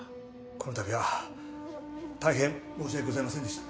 この度は大変申し訳ございませんでした。